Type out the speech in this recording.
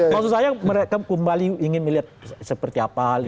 maksud saya mereka kembali ingin melihat seperti apa